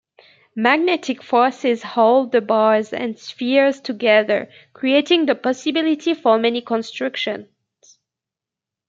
Magnetic forces hold the bars and spheres together, creating the possibility for many constructions.